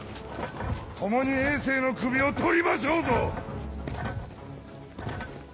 共に政の首を取りましょうぞ！